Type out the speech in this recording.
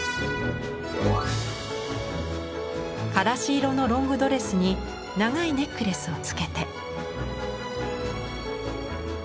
からし色のロングドレスに長いネックレスをつけて。